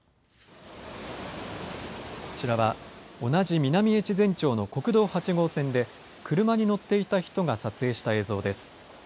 こちらは、同じ南越前町の国道８号線で、車に乗っていた人が撮影した映像です。